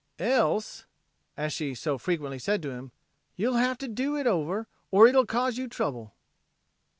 "Else," as she so frequently said to him, "you'll have to 'do hit over, or hit'll cause you trouble."